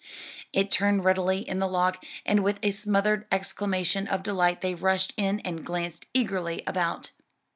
It turned readily in the lock and with a smothered exclamation of delight they rushed in and glanced eagerly about.